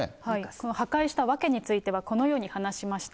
この破壊した訳についてはこのように話しました。